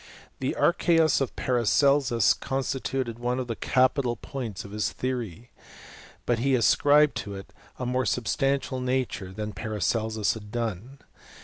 The archeus of Paracelsus constituted one of the capital points of his theory ; but he ascribed to it a more substantial nature than Paracelsus had done.